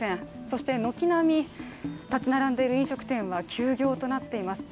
そして軒並み立ち並んでいる飲食店は休業となっています。